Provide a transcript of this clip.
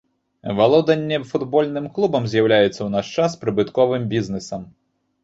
Валоданне футбольным клубам з'яўляецца ў наш час прыбытковым бізнесам.